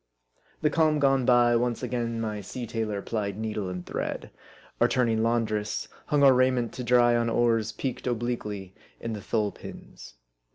The calm gone by, once again my sea tailor plied needle and thread ; or turning laundress, hung our raiment to dry on oars peaked obliquely in the thole pins.